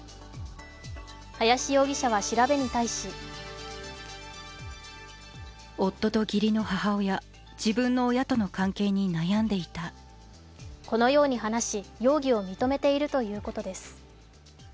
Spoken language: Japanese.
林容疑者は調べに対しこのように話し容疑を認めているということです。